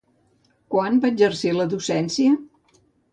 Quan va exercir la docència?